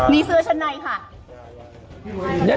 มีเศือว่าชัดในค่ะ